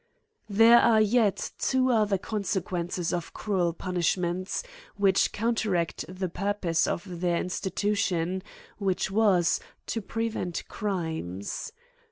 There are yet two other consequences of cru el punishments, which counteract the purpose of their institution, which was, to prevent crimes.